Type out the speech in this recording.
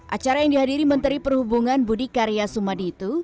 acara yang dihadiri menteri perhubungan budi karya sumaditu